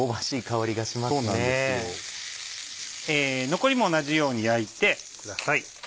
残りも同じように焼いてください。